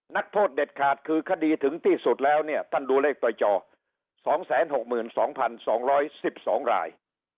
นักโทษเด็ดขาดคือคดีถึงที่สุดแล้วเนี่ยท่านดูเลขต่อยจอ๒๖๒๒๑๒ราย